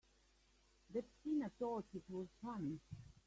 That Tina thought it was funny!